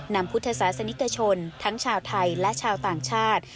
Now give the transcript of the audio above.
พุทธศาสนิกชนทั้งชาวไทยและชาวต่างชาติ